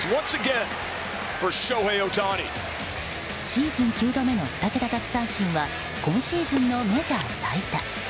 シーズン９度目の２桁奪三振は今シーズンのメジャー最多。